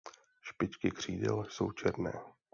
Špičky křídel jsou černé.